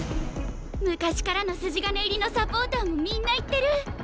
昔からの筋金入りのサポーターもみんな言ってる。